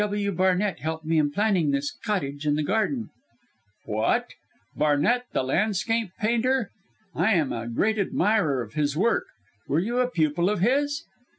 G.W. Barnett helped me in planning this cottage and the garden." "What! Barnett the landscape painter! I am a great admirer of his work. Were you a pupil of his?"